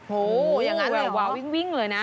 โอ้โฮอย่างนั้นเลยเหรอวิ่งเลยนะ